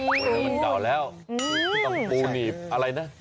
โดยมันเก่าแล้วต้องปูนีบอะไรนั่น